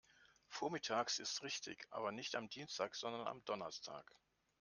Vormittags ist richtig, aber nicht am Dienstag, sondern am Donnerstag.